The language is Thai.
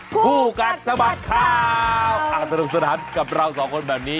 ผู้กัดสมัดข่าวอัตโนกสนัดกับเราสองคนแบบนี้